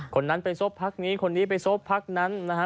คนนั้นไปซบพักนี้คนนี้ไปซบพักนั้นนะฮะ